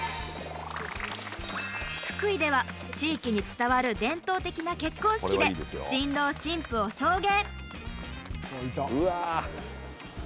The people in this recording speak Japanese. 福井では地域に伝わる伝統的な結婚式で新郎新婦を送迎。